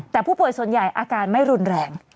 แต่ผู้ป่วยส่วนใหญ่อาการไม่รุนแรง